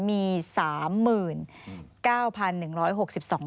มี๓๙๑๖๒คน